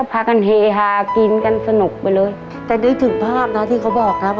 ผักหญ้าเด็กก็กินเก่งด้วยผักเผ๊อก็กินอีกหมดเลย